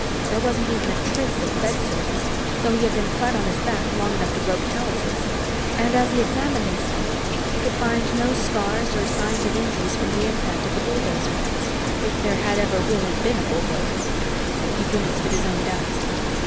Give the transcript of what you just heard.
There wasn't even a trace of bedsoreness, though he had been flat on his back long enough to grow callouses. And as he examined himself, he could find no scars or signs of injuries from the impact of the bulldozer if there had ever really been a bulldozer. He grimaced at his own doubts.